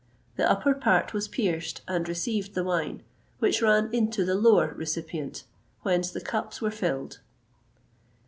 The upper part was pierced, and received the wine, which ran into the lower recipient, whence the cups were filled.